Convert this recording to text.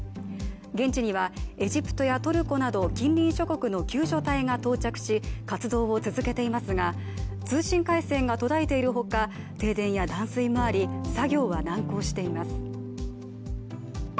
現地にはエジプトやトルコなど近隣諸国の救助隊が到着し活動を続けていますが通信回線が途絶えているほか停電や断水もあり、作業は難航しています。